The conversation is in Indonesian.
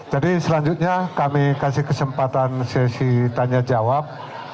jadi selanjutnya kami kasih kesempatan sesi tanya jawab